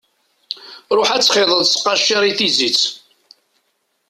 Ruḥ ad txiḍeḍ ttqacir i tizit.